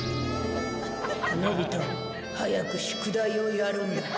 のび太君早く宿題をやるんだ。